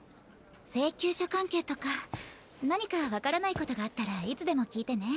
請求書関係とか何か分からないことがあったらいつでも聞いてね。